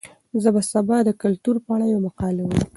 زه به سبا د کلتور په اړه یوه مقاله ولیکم.